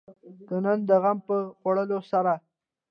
د نن د غم په خوړلو سره.